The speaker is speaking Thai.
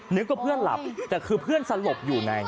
นึกว่าเพื่อนหลับแต่คือเพื่อนสลบอยู่ใน